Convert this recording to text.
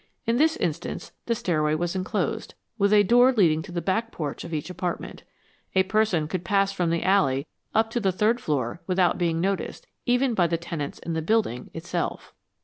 In this instance the stairway was enclosed, with a door leading to the back porch of each apartment. A person could pass from the alley up to the third floor without being noticed, even by tenants in the building itself.